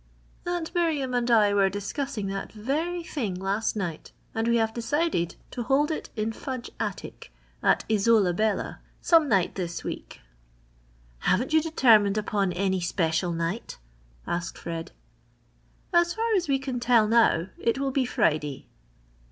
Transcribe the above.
"Aunt Miriam and I were discussing that very thing last night and we have decided to hold it in Fudge Attic, at Isola Bella, some night this week." "Haven't you determined upon any special night?" asked Fred. "As far as we can tell now, it will be Friday."